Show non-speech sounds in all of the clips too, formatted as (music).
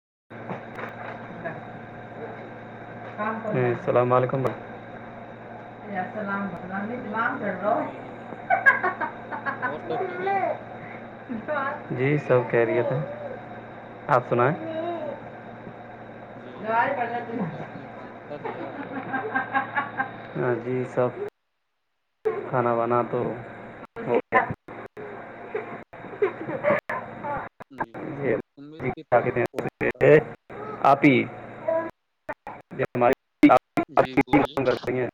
(inaudible) hello ہ اللام ععلیکم بھائی وعلیکم السلام بھائی جان آپ اور سب خیریت جی سب کیہریت آپ سنائیں ہی ہی جوار کھانا کھا لیا ہاں جی سب کھانا بنا تو جی یہ امید جی کی کھا کے تلاش دیں بہت ت اے، آپ ہی ہماری آپ ہی ختم جی بولیے کر رہی ہیں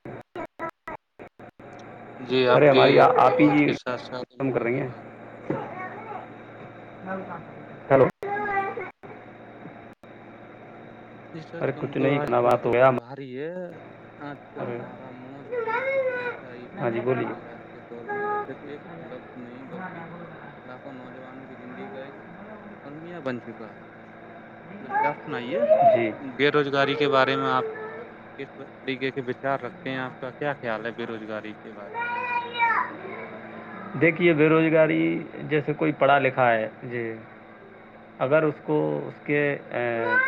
جی آپ ارے کی ہماری آ- آپ ہی آواز جی کے ساتھ ساتھ ان ختم کر کی رہی بھی ہیں آواز ہک جی ج سچ ارے کہوں کچھ تو نہیں آج کھانا دل بات ہو تھوڑا گیا بھاری ہے آج کا ارے ہمارا موج بھی کچھ ایسا ہی بے ہاں جی بولیے روزگاری آج کے دور میں صرف ایک لفظ نہیں بلکہ لاکھوں نوجوانوں کی زندگی کا ایک المیہ بن چکا س دسے آپ سناائیے بے روزگاری کے بارے میں آپ جی کس طریقے کے خل رکھتے ہیں آپ کا کیا خیال ہے بے روزگاری کی بات ہے یہ بے روزگاری جیسے کوئی پڑھا لکھا ہے جی اگر اس کو اس کے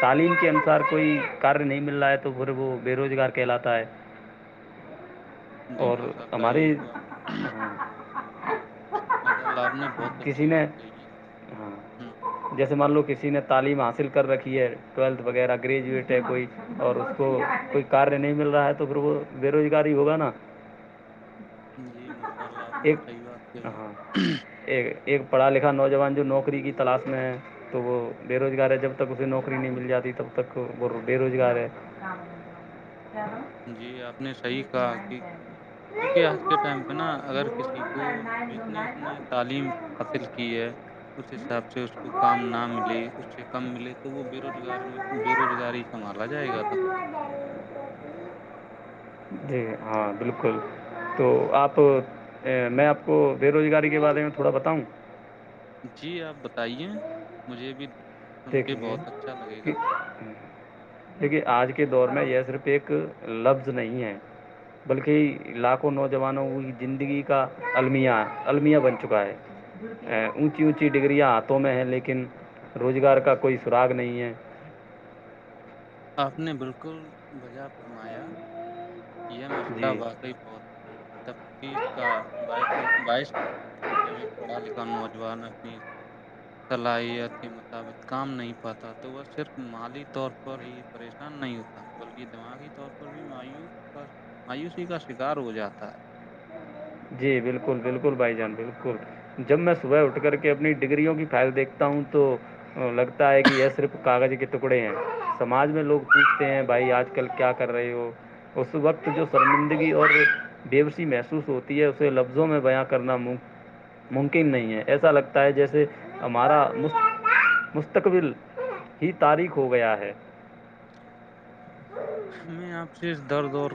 تعلیم کے انسار کوئی کاریہ نہیں مل رہا ہے تو پھر وہ بے روزگار کہلاتا ہے میں جی اور ماشاء اللہ ہماری یہ تو ما لابھ نہیں کسی نے ہاں ہ جیسے مان لو کسی نے تعلیم حاصل کر رکھی ہے ٹویلھ وغیرہ گریجویٹ ہے کوئی اور اس کوئی کار نہیں مل رہا ہے تو پھر وہ بے روزگاری ہوگا نا جی م ایک ہاں ایک ایک پڑھا لکھ نوجوان جو نوکری کی تلاش میں ہے تو وہ بے روزگار ہے جب تک اسے نوکری نہیں مل جاتی تب تک وہ بے روزگار ہے جی آپ نے صحیح کہا کہ کیونکہ آج کے ٹائم پہ نا اگر کسی کو جتنی اس نے تعلیم حاصل کی ہے اس حساب سے اس کو کام نہ ملے اس سے کم ملے تو وہ بے روزگار بے روزگاری سنبھالا جائے گا تب ت جی ہاں بالکل تو آپ میں آپ کو بے روزگاری کے بارے میں تھوڑا بتاؤں جی آپ بتائیے مجھے بھی سن کے دیکھیے بہت اچھا لگے کہ گا دیکھیے آج کے دور میں یہ صرف ایک لفظ نہیں ہے بلکہ لاکھوں نوجوانوں کی زندگی کا الم المیہ بن چکا ہے اونچی اونچی ڈگریاں ہاتھوں میں ہے لیکن روزگار کا کوئی سراگ نہیں ہے آپ نے بالکل وجائے فرمایا یہ مسئلہ جی واقعی بہت تفتیش کا باعش ہے جب ایک پڑھا لکھا نوجوان اپنی صلاحیت کے مطابق کام نہیں پاتا تو وہ صرف مالی طور پر ہی پریشان نہیں ہوتا بلکہ دماغی طور پر بھی مایوس مایوسی کا شکار ہو جاتا ہے جی بالکل بالکل بھائی جان بالکل جب میں صبح اٹھ کر کے اپنی ڈگریوں کی فائل دیکھتا ہوں تو لگتا ہے کہ یہ صرف کاغذ کے ٹکڑے ہیں سماج میں لوگ پوچھتے ہیں بھائی آج کل کیا کر رہے ہو اس وقت جو سرمندگی اور بےش محسوس ہوتی ہے اسے لفظوں میں بیاں کرنا ممکن نہیں ہے ایسا لگتا ہے جیسے ہمارا مستقبل ہی تاریخ ہو گیا ہے میں آپ سے اس درد اور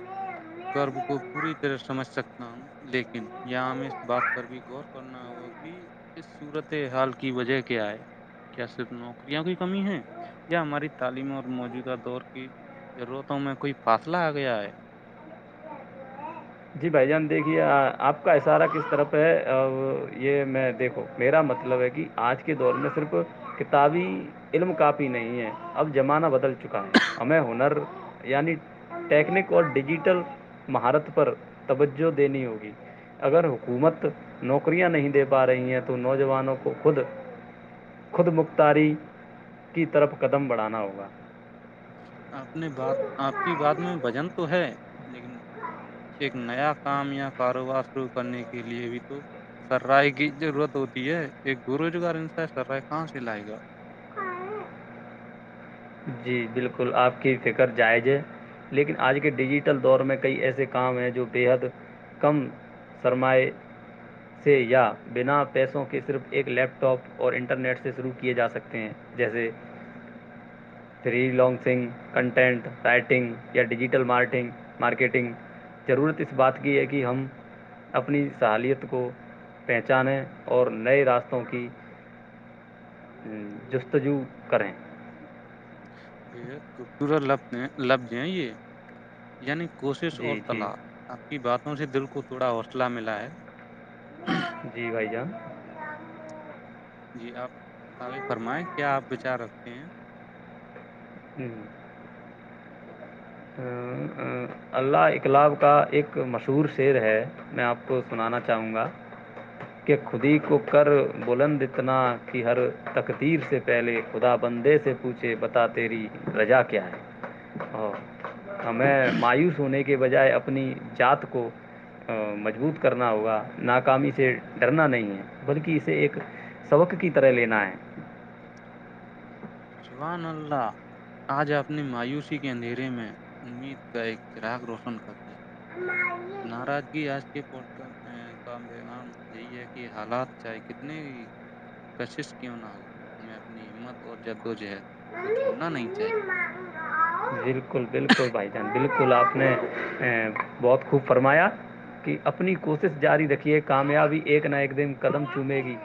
کرب کو پوری طرح سمجھ سکتا ہوں لیکن یہاں ہمیں اس بات پر بھی غور کرنا ہوگا کہ اس صورت حال کی وجہ کیا ہے کیا صرف نوکریاوں کی کمی ہے یا ہماری تعلیم اور موجودہ دور کی ضرورت میں کوئی فاصلہ آ گیا ہے جی بھائی جان دیکھیے آپ کا اشارہ کس طرف ہے یہ میں دیکھوں میرا مطلب ہے کہ آج کے دور میں صرف کتابی علم کاپی نہیں ہے اب زمانہ بدل چکا ہے ہمیں ہنر یعنی ٹیکنک اور ڈیجیٹل مہارت پر توجہ دینی ہوگی اگر حکومت نوکریاں نہیں دے پا رہی ہیں تو نوجوانوں کو خود خود مختاری کی طرف قدم بڑھانا ہوگا آپ نے بات آپ کی بات میں وزن تو ہے لیکن ایک نہیں (unintelligible) (inaudible) نیا کام یا کاروبار شروع کرنے کے لیے بھی تو سررائی کی ضرورت ہوتی ہے ایک ب روزگار انس سررائے کہاں سے لائے گا جی بالکل آپ کی فکر جائز ہے لیکن آج کے ڈیجیٹل دور میں کئی ایسے کام ہیں جو بےحد کم سرمائے سے یا بنا پیسوں کے صرف ایک لیپ ٹاپ اور انٹرنیٹ سے شروع کیے جا سکتے ہیں جیسے فری لانسنگ کنٹینٹ رائٹنگ یا ڈیجیٹل مارکیٹنگ ضرورت اس بات کی ہے کہ ہم اپنی صلاحیت کو پہچانیں اور نئے راستوں کی جستجو کریں بد خوبصورت ل لفظ ہیں یہ (inaudible) یعنی کوشش اور جی جی طلاق آپ کی باتوں سے دل کو تھوڑا حوصلہ ملا ہے جی بھائی جان جی آپ آپ فرمائیں کیا آپ بچار رکھتے ہیں ہ اللہ اقلاب کا ایک مشہور شعیر ہے میں آپ کو سنانا چاہوں گا کہ خودی کو کر بلند اتنا کہ ہر تقتییر سے پہلے خدا بندے سے پوچھے بتات تیری رجا کیا ہے اور ہمیں مایوس ہونے کے بجائے اپنی جات کو مضبوط کرنا ہوگا ناکامی سے ڈرنا نہیں ہے بلکہ اسے ایک سبق کی طرح لینا ہے سبان اللہ آج اپ نے مایوسی کے اندھیرے میں امید کا ایک چراغ روشن کر دیا ناراضگی آج کے پوڑ کاسٹ کا بیغام یہی ہے کہ حالات چاہے کتنی کشش کیوں نہ ہو ہمیں اپنی ہمت اور جد وجہد کو چھوڑنا نہیں چاہیے بالکل بالکل بھائی جان بالکل اپ نے بہت خوب فرمایا کہ اپنی کوشش جاری رکھیے کامیابی ایک نہ ایک دن قلم چومے گی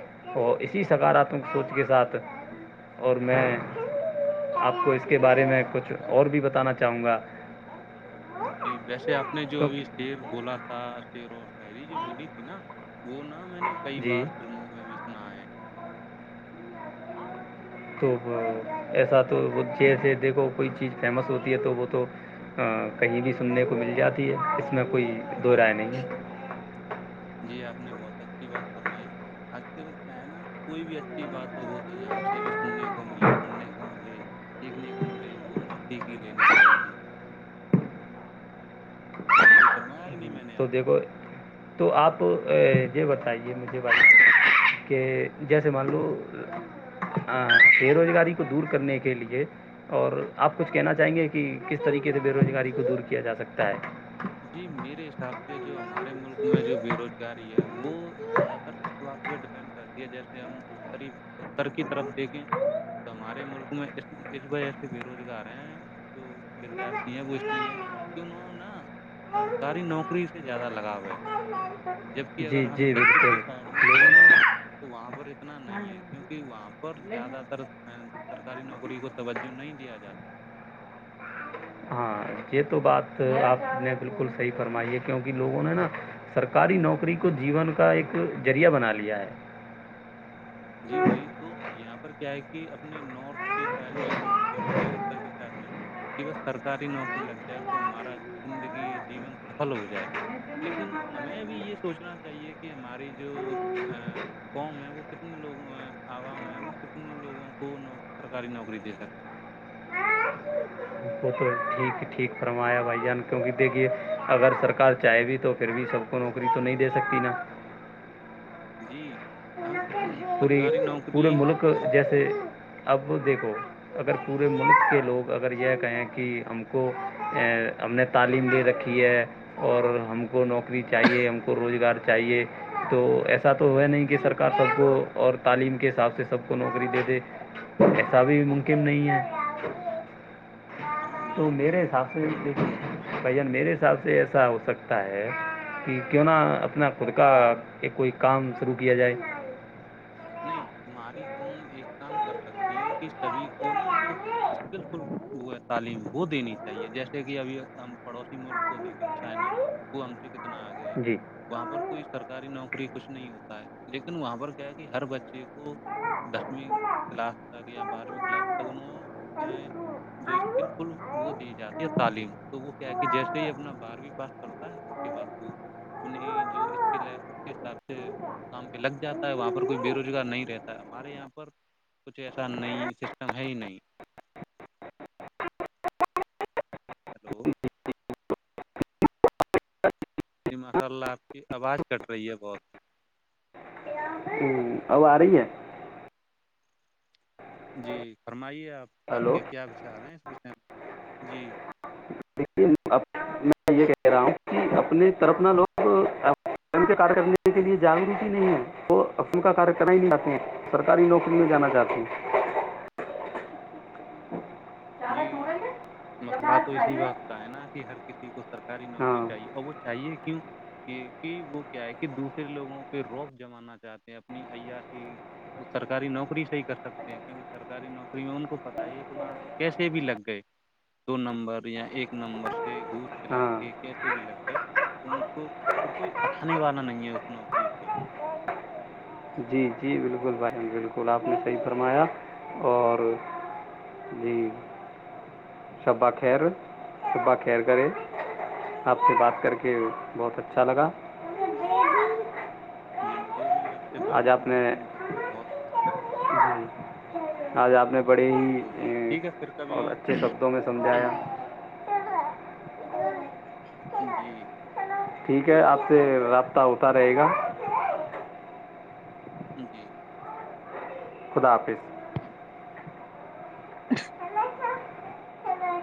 اور اسی صغارا تم سوچ کے ساتھ اور میں اپ کو اس کے بارے میں کچھ اور بھی بتانا چاہوں گا جی ویسے آپ نے جو ابھی کیونکہ شیر بولا شیر و شاعری جو بولی تھی نا وہ نہا ہاں میں نے کئی بار جی فلموں میں بھی سنا ہے تو ایسا تو وہ جیسے دیکھو کوئی چیز فیمس ہوتی ہے تو وہ تو کہیں بھی سننے کو مل جاتی ہے اس اس میں کوئی دو جی رائے نہیں ہے آ نے بہت اچھی بات فرمائی آج کل کیا ہے نا کوئی بھی اچھی بات ہو وہ تو یہاں سے بھی سننے کو ملے پڑھنے کو ملے سیکھنے کو ملے وہ ہمیں سیکھ ہی لینی چاہیے سی پررم (unintelligible) (inaudible) تو دیکھو تو آپ یہ بتائیے مجھے ب کہ جیسے مان لو بے روزگاری کو دور کرنے کے لیے اور آپ کچھ کہنا چاہیں گے کہ کس طریقے سے بے روزگاری کو دور کیا جا سکتا ہے جی میرے حساب سے جو ہمارے ملک میں جو بے روزگاری وہ زیادہ تر اس بات پہ ڈپینڈ کرتی ہے جیسے ہم اری اتر کی طرف دیکھیں تو ہمارے ملک میں اس وجہ سے بے روزگار ہیں جو ودیارتھی ہیں وہ اس لیے ہیں کہ انہوں نا سرکاری نوکری سے زیادہ لگاؤ ہے جبک اگر جی ہم جی دکچن کی بالکل سائڈ میں لوگوں دیکھیں نا نے تو وہاں پر اتنا نہیں ہے کیونکہ وہاں پر ہاں یہ تو بات آپ نے بالکل صحیح فرمائی ہے کیونکہ لوگوں نے نا سرکاری نوکری کو جیون کا ایک ذریہ بنا لیا ہے جی وہی تو یہ کیا ہے کہ اپنے نارتھ کی سائڈ میں لوگ سوچتے ہیں اتر کی سائڈ میں کہ بس سرکاری نوکری لگ جائے تو ہمارا زندگی جیون سفل ہو جائے لیکن ہمیں بھی یہ سوچنا چاہیے کہ ہماری جو ہمارے قوم ہے وہ کتنے لوگوں عوام ہے وہ کتنے لوگوں کو سرکاری نوکری دے سکتی وہ تو ٹھیک ٹھیک فرمایا بھائی جان کیونکہ دیکھیے اگر سرکار چاہے بھی تو پھر بھی سب کو نوکری تو نہیں دے سکتی نا جی ہم پوری سرکاری پورے نوکری ملک جیسے اب دیکھو اگر پورے ملک کے لوگ اگر یہ کہیں کہ ہم کو ہم نے تعلیم لے رکھی ہے اور ہم کو نوکری چاہیے ہم کو روزگار چاہیے تو ایسا تو ہو نہیں کہ سرکار سب کو اور تعلیم کے حساب سے سب کو نوکری دیے د ایسا بھی ممکن نہیں ہے ہاں وہی تو میرے حساب سے ایک بھ جن میرے حساب سے ایسا ہو سکتا ہے کہ کیوں نہ اپنا خود کا کوئی کام شرو کیا جائے نہیں ہماری قوم ایک کام کر سکتی ہے کہ سبھی کو نا جو اسکل فل وہ ہے تعلیم وہ دینی چاہیے جیسے کہ ابھی ہم پڑوسی ملک کو دیکھیں چائنا وہ ہم سے کتنا آگیا ہے جی وہاں پر کوئی سرکاری نوکری کچھ نہیں ہوتا ہے لیکن وہاں پر کیا کہ ہر بچے کو دسویں کلاس تک یا بارہویں کلاس تک انہوں جو اسکل فل وہ دی جاتی ہے تعلیم تو وہ کیا ہے کہ جیسے ہی اپنا بارہویں پاس کرتا ہے اس کے بعد ہوں، وہ اپنی جو اسکل ہے اس کے حساب سے کام پہ لگ جاتا ہے وہاںہ کوئی بے روزگار نہیں رہتا ہمارے یہاں پر کچھ ایسا نہیں سسٹم ہے ہی نہیں ہلو (unintelligible) جی ماشاء اللہ آپ کی آواز کٹ رہی ہے بہت اب آ رہی ہے جی فرمائیےپ پ آپ کے ہلو کیا چ آ رہے ہیں اس ٹم جی دیکے اب میں یہ کہہ رہا ہوں کہ اپنے طرفنا لوگ ک کرنے کے لیے جاگروک ہی نہیں ہے وہ ام کا کاریہ کرنا ہی نہیں چاہتے ہیں سرکاری نوکری میں جانا چاہتے ہیں (unintelligible) جی مسئلہ تو اسی وقت کا ہے نا کہ ہر کسی کو سرکاری نوکری ہاں چاہیے اور وہ چاہیے کیوں کہ کہ وہ کیا ہے کہ دوسرے لوگوں پہ روخ جمانا چاہتے ہیں اپنی ایا کی وہ سرکاری نوکری سے ہی کر سکتے ہیں کیونکہ سرکاری نوکری کر کو پتا ہے ایک بار کیسے بھی لگ گئے دو نمبر یا ایک نمبر گوس چلا ہاں کے کیس بھی لگ گئے ان کو پھر کوئی اٹھانے والا نہیں ہے اس نوکری سے جی جی بالکل بھائی بالکل آپ نے صحیح فرمایا اور جی شبہ خیر شبہ خیر کرے آپ سے بات کر کے بہت اچھا لگا جی میں (inaudible) یہ بھی آپ سے بات آج آپ نے گپتوم کر کے بہت اچھا لگا جی آج آپ نے بڑے تو ہی ٹھیک ہے پھر کبھی اور اچھے شبدوں میں ہ سمجھایا جی ٹھیک ہے آپ اللہ سے حافظ رابطہ ہوتا رہے گا جی خدا حافظ (unintelligible)